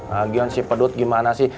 bagian si pedut gimana sih